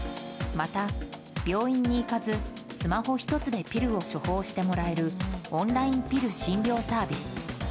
また、病院に行かずスマホ１つでピルを処方してもらえるオンラインピル診療サービス。